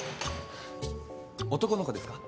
男の子ですか？